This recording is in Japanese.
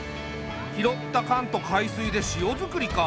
拾った缶と海水で塩づくりか。